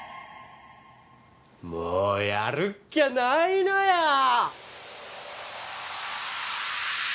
もうやるっきゃないのよ